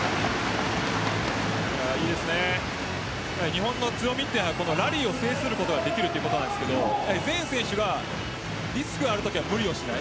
日本の強みはラリーを制することができるということですがリスクがあるときは無理をしない。